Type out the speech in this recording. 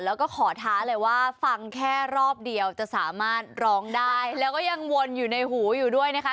แล้วก็ขอท้าเลยว่าฟังแค่รอบเดียวจะสามารถร้องได้แล้วก็ยังวนอยู่ในหูอยู่ด้วยนะคะ